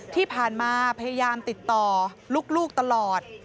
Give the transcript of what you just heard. ที่ผ่านมาพยายามติดต่อลูกตลอด